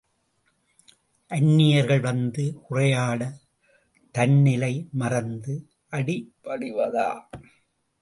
அந்நியர்கள் வந்து சூறையாட தந்நிலை மறந்து அடி பணிவதா?